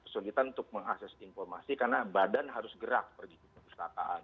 kesulitan untuk mengakses informasi karena badan harus gerak pergi ke perpustakaan